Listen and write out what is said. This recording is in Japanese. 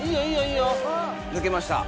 ぬけました。